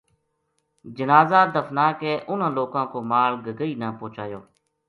جنازہ دفنا کے اُناں لوکاں کو مال گگئی نا پہچایو